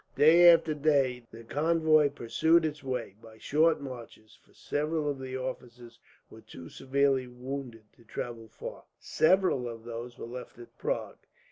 Day after day the convoy pursued its way, by short marches, for several of the officers were too severely wounded to travel far. Several of these were left at Prague.